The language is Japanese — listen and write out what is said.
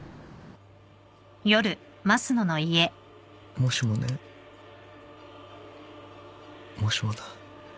もしもねもしもだ。